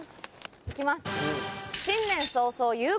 行きます。